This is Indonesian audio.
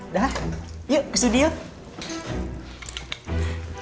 dah yuk kesini yuk